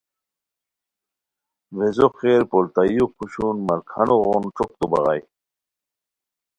ویزو خیر, پولتائیو کھوشون مرکھانو غون ݯوکتو بغائے